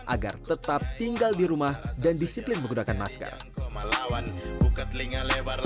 agar tetap tinggal di rumah dan disiplin menggunakan masker